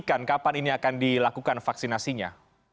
kapan ini akan dilakukan vaksinasinya